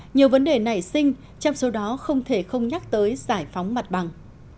nhiều vấn đề nảy sinh trong số đó không thể không nhắc tới giải phóng mặt bằng